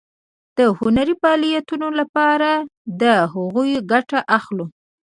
د هنري فعالیتونو لپاره له هغو ګټه اخلو.